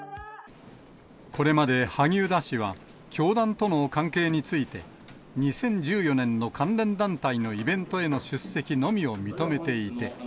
これまで、萩生田氏は教団との関係について、２０１４年の関連団体のイベントへの出席のみを認めていて。